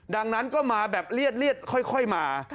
ดังนั้นก็มาแบบเลียดค่อยมา